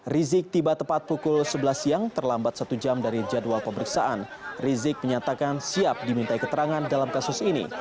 rizik tiba tepat pukul sebelas siang terlambat satu jam dari jadwal pemeriksaan rizik menyatakan siap dimintai keterangan dalam kasus ini